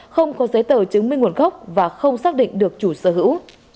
không có giấy tờ chứng minh nguồn gốc và không xác định được chủ sở hữu